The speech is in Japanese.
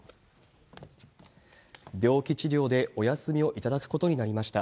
病気治療でお休みを頂くことになりました。